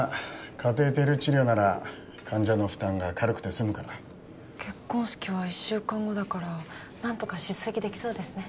カテーテル治療なら患者の負担が軽くて済むからな結婚式は１週間後だから何とか出席できそうですね